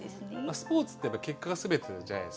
スポーツってやっぱ結果が全てじゃないですか。